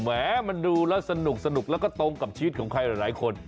แหมมันดูแล้วสนุกแล้วก็ตรงกับชีวิตของใครหลายคน